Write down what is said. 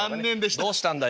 どうしたんだよ。